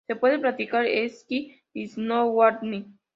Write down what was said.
Se puede practicar esquí y "snowboarding".